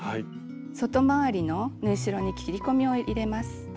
外回りの縫い代に切り込みを入れます。